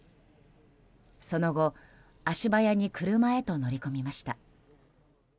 その後、足早に車へと乗り込みました。